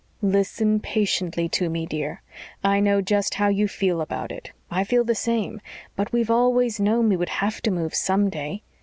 "Listen patiently to me, dear. I know just how you feel about it. I feel the same. But we've always known we would have to move some day."